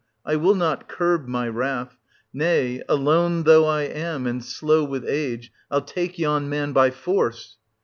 I will not curb my wrath — nay, alone though I am, and slow with age. Til take yon man by force.